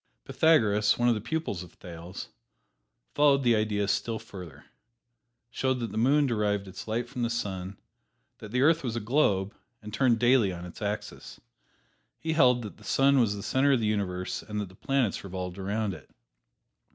Pythagoras, one of the pupils of Thales, following the idea still further, showed that the moon derived its light from the sun; that the earth was a globe and turned daily on its axis. He held that the sun was the center of the universe and that the planets revolved around it.